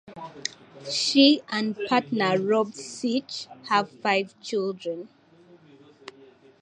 She and partner Rob Sitch have five children.